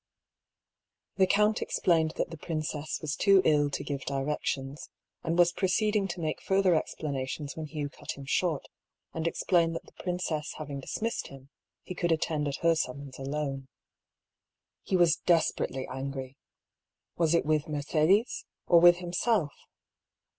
" The count explained that the princess was too ill to give directions, and was proceeding to make further ex planations when Hugh cut him short, and explained that the princess having dismissed him, he could attend at her summons alone. He was desperately angry — was it with Mercedes, or with himself?